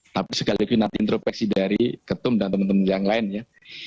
tapi segalanya itu nanti intropeksi dari ketum dan teman teman yang lainnya